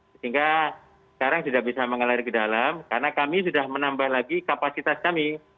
sehingga sekarang sudah bisa mengalir ke dalam karena kami sudah menambah lagi kapasitas kami